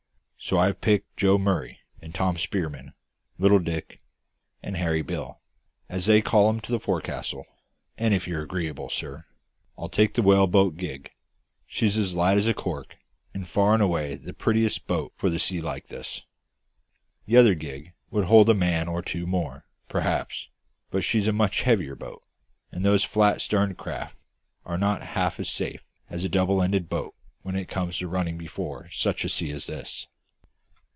So I've picked Joe Murray and Tom Spearman, Little Dick, and Hairy Bill as they call him in the fo'c's'le; and if you're agreeable, sir, I'll take the whaleboat gig; she's as light as a cork, and far and away the prettiest boat for a sea like this. The other gig would hold a man or two more, perhaps, but she's a much heavier boat; and those flat starned craft are not half so safe as a double ended boat when it comes to running before such a sea as this."